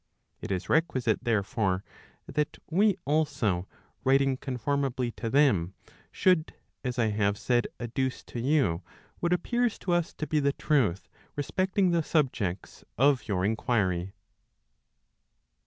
It is requisite there¬ fore, that we also writing conformably to them, should as I have said adduce to you what appears to us to be the truth respecting the subjects of your inquiry.